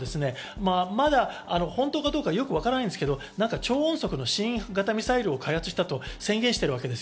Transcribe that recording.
加えて北朝鮮もまだ本当かどうかわからないですけど、超音速の新型ミサイルを開発したと宣言しています。